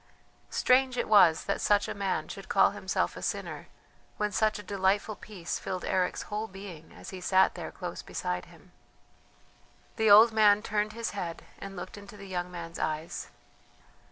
Strange it was that such a man should call himself a sinner when such a delightful peace filled Eric's whole being as he sat there close beside him. The old man turned his head and looked into the young man's eyes.